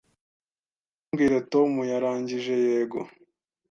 Ntumbwire Tom yarangije yego.